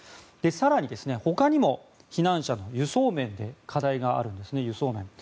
更に他にも避難者の輸送面で課題があるんです。